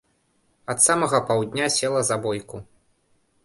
Ад самага паўдня села за бойку.